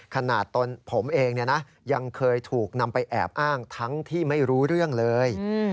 ตนผมเองยังเคยถูกนำไปแอบอ้างทั้งที่ไม่รู้เรื่องเลย